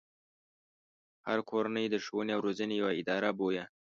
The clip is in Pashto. هره کورنۍ د ښوونې او روزنې يوه اداره بويه.